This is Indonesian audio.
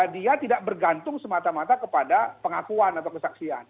dia tidak bergantung semata mata kepada pengakuan atau kesaksian